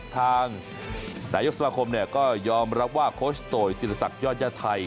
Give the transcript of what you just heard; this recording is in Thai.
ทางนายกสมาคมก็ยอมรับว่าโค้ชโตยศิลศักดิ์ยอดยาไทย